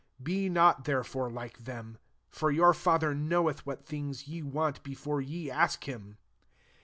8 Be not there fore like them : for your Father knoweth what things ye want before ye ask him.